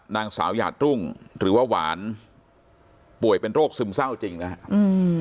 นางสาวหยาดรุ่งหรือว่าหวานป่วยเป็นโรคซึมเศร้าจริงนะครับอืม